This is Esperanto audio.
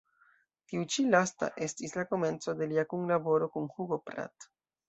Tiu ĉi lasta estis la komenco de lia kunlaboro kun Hugo Pratt.